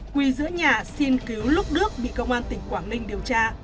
quy giữ nhà xin cứu lúc đức bị công an tỉnh quảng ninh điều tra